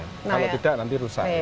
kalau tidak nanti rusak